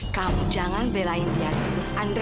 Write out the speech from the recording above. kamu jangan belain dia terus andre